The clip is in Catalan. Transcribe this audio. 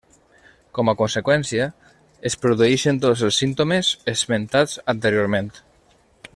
Com a conseqüència, es produeixen tots els símptomes esmentats anteriorment.